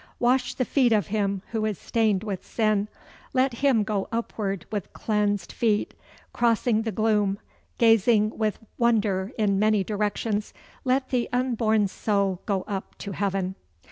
Wash the feet of him who is stained with sin; let him go upward with cleansed feet. Crossing the gloom, gazing with wonder in many directions, let the unborn soul go up to heaven."